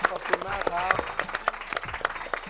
ขอบคุณมากครับ